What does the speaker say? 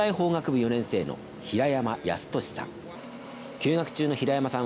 ４年生の平山靖敏さん。